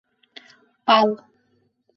Пал...